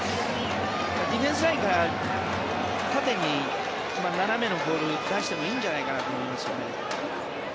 ディフェンスラインから縦に斜めのボールを出してもいいんじゃないかと思いますね。